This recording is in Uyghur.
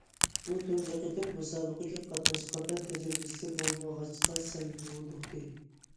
ئۇ تۇنجى قېتىم مۇسابىقىگە قاتناشقاندا، تەجرىبىسى بولمىغاچقا سەل ھودۇقتى.